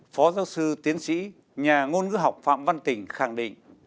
phó giáo sư tiến sĩ nhà ngôn ngữ học phạm văn tỉnh khẳng định